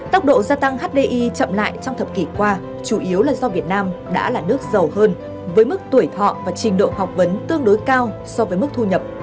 tốc độ gia tăng hdi chậm lại trong thập kỷ qua chủ yếu là do việt nam đã là nước giàu hơn với mức tuổi thọ và trình độ học vấn tương đối cao so với mức thu nhập